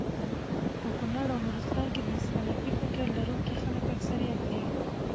په کونړ او نورستان کي د سلفي فکر لرونکو خلکو اکثريت دی